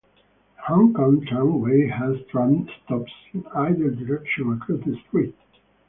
The Hong Kong Tramway has tram stops in either direction across the Street.